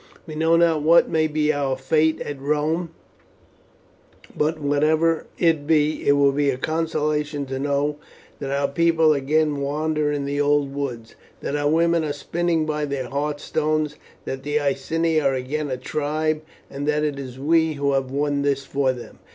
We know not what may be our fate at Rome, but whatever it be, it will be a consolation to us to know that our people again wander in the old woods; that our women are spinning by their hearthstones; that the Iceni are again a tribe; and that it is we who have won this for them."